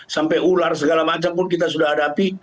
sampai ular segala macam pun kita sudah hadapi